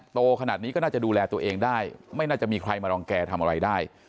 โตขนาดนี้ก็น่าจะดูแลตัวเองได้ไม่น่าจะมีใครมารังแก่ทำอะไรได้